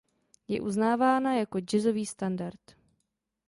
Je uznávána jako jazzový standard.